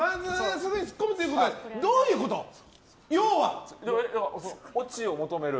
すぐにツッコむということはオチを求める。